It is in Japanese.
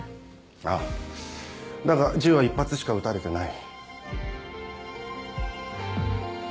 ああだが銃は１発しか撃たれてない。